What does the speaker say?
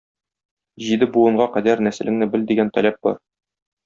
Җиде буынга кадәр нәселеңне бел дигән таләп бар.